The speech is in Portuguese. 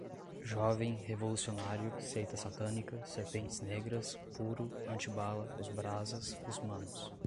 jovem, revolucionário, seita satânica, serpentes negras, puro, antibala, os brasas, os manos